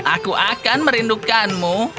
aku akan merindukanmu